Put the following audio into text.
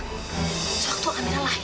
waktu amirah lahir